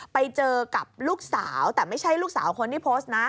ไปเจอกับลูกสาวแต่ไม่ใช่ลูกสาวคนที่โพสต์นะ